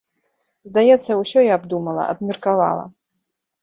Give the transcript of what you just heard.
Здаецца, усё я абдумала, абмеркавала.